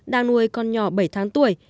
đang nuôi con nhỏ bảy tháng tuổi